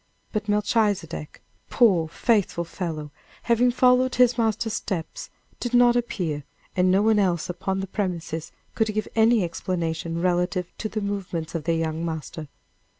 But Melchizedek, poor, faithful fellow, having followed his master's steps, did not appear, and no one else upon the premises could give any explanation relative to the movements of their young master.